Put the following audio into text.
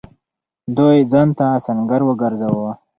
دوی ځان ته سنګر وگرځاوه.